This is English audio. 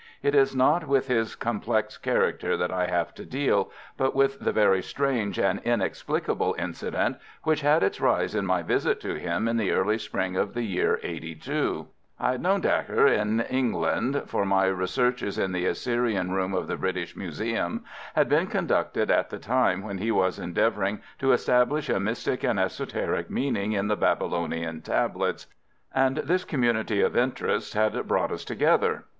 It is not with his complex character that I have to deal, but with the very strange and inexplicable incident which had its rise in my visit to him in the early spring of the year '82. I had known Dacre in England, for my researches in the Assyrian Room of the British Museum had been conducted at the time when he was endeavouring to establish a mystic and esoteric meaning in the Babylonian tablets, and this community of interests had brought us together.